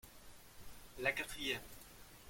La quatrième.